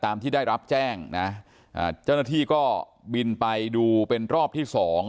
ที่ได้รับแจ้งนะอ่าเจ้าหน้าที่ก็บินไปดูเป็นรอบที่สอง